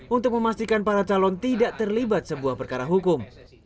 untuk memastikan para calon tidak terlibat sebuah perkara hukum